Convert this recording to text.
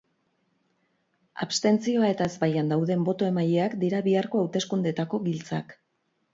Abstentzioa eta ezbaian dauden boto-emaileak dira biharko hauteskundeetako giltzak.